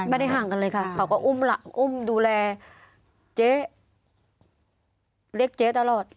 ไม่ได้ห่างกันเลยค่ะเขาก็อุ้มอุ้มดูแลเจ๊เรียกเจ๊ตลอด